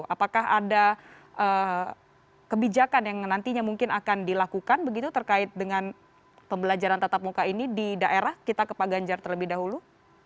apakah ada kebijakan yang nantinya mungkin akan dilakukan begitu terkait dengan pembelajaran tatap muka ini di daerah kita ke pak ganjar terlebih dahulu